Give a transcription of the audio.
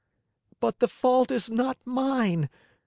"But the fault is not mine.